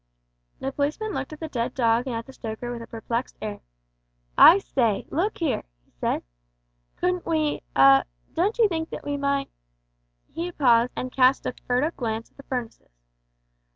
The policeman looked at the dead dog and at the stoker with a perplexed air. "I say, look here," he said, "couldn't we ah don't you think that we might " He paused, and cast a furtive glance at the furnaces.